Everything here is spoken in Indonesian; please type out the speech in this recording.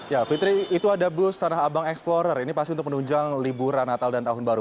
ya fitri itu ada bus tanah abang explorer ini pasti untuk menunjang liburan natal dan tahun baru